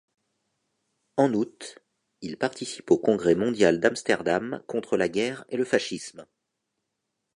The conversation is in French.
En août, il participe au congrès mondial d'Amsterdam contre la guerre et le fascisme.